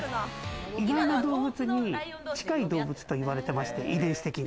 意外な動物に近い動物と言われていまして遺伝子的に。